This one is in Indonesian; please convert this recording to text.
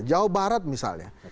jawa barat misalnya